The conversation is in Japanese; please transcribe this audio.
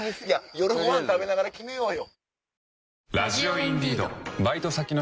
夜ごはん食べながら決めようよ。